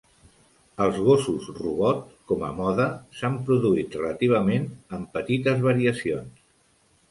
Els gossos robot, com a moda, s"han produït relativament amb petites variacions.